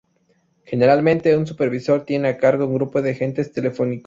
Generalmente, un supervisor tiene a cargo un grupo de agentes telefónicos.